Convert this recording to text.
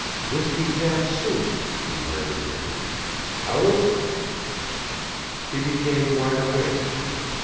"Whisky jack soup," he heard again. "How is it?" He became wide awake.